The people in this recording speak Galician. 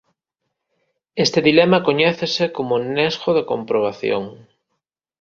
Este dilema coñécese como "nesgo de comprobación".